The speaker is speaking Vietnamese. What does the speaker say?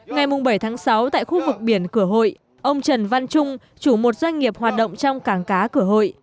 ngày bảy tháng sáu tại khu vực biển cửa hội ông trần văn trung chủ một doanh nghiệp hoạt động trong cảng cá cửa hội